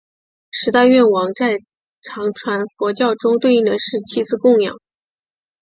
十大愿王在藏传佛教中对应的是七支供养。